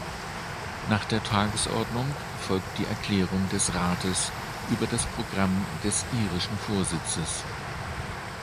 Nach der Tagesordnung folgt die Erklärung des Rates über das Programm des irischen Vorsitzes.